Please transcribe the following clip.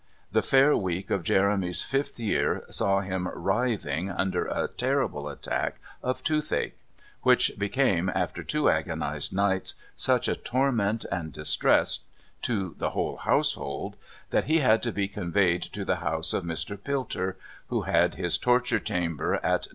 The Fair Week of Jeremy's fifth year saw him writhing under a terrible attack of toothache, which became, after two agonised nights, such a torment and distress to the whole household that he had to be conveyed to the house of Mr. Pilter, who had his torture chamber at No.